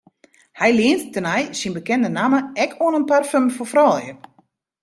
Hy lient tenei syn bekende namme ek oan in parfum foar froulju.